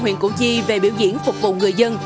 huyện củ chi về biểu diễn phục vụ người dân